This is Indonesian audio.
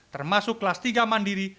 termasuk kelas tiga mandiri